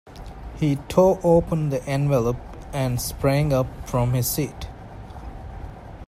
He tore open the envelope and sprang up from his seat.